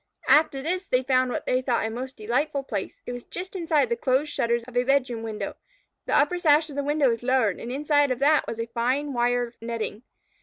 After this they found what they thought a most delightful place. It was just inside the closed shutters of a bedroom window. The upper sash of the window was lowered, and inside of that was a fine wire netting.